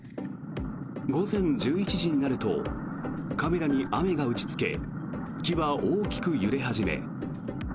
午前１１時になるとカメラに雨が打ちつけ木は大きく揺れ始め。